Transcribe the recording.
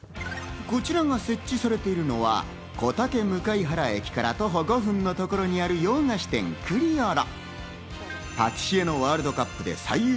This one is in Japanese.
こちらが設置されているのは小竹向原駅から徒歩５分のところにある洋菓子店・ＣＲＩＯＬＬＯ。